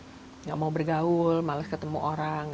tidak mau bergaul malah ketemu orang